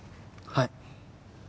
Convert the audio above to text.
はい。